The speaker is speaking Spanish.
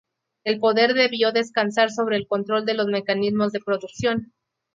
El poder debió descansar sobre el control de los mecanismos de producción.